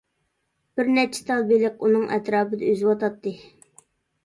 بىر نەچچە تال بېلىق ئۇنىڭ ئەتراپىدا ئۈزۈۋاتاتتى.